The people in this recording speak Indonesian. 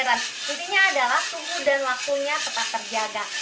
intinya adalah suhu dan waktunya tetap terjaga